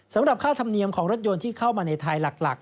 สำหรับค่าธรรมเนียมของรถยนต์ที่เข้ามาในไทยหลัก